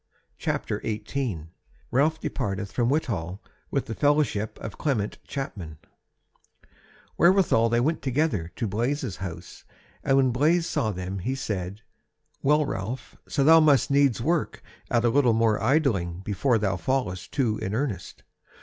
CHAPTER 18 Ralph Departeth From Whitwall With the Fellowship of Clement Chapman Therewithal they went together to Blaise's house, and when Blaise saw them, he said: "Well, Ralph, so thou must needs work at a little more idling before thou fallest to in earnest.